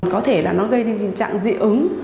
có thể là nó gây nên tình trạng dị ứng